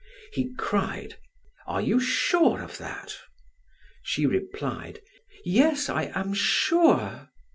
He cried: "Are you sure of that?" She replied: "Yes, I am sure."